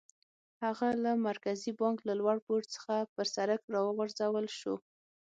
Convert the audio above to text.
هغه له مرکزي بانک له لوړ پوړ څخه پر سړک را وغورځول شو.